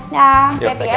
yaudah yaudah ya